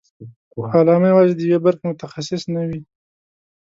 علامه یوازې د یوې برخې متخصص نه وي.